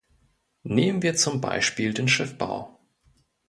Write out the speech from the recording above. Nehmen wir zum Beispiel den Schiffbau.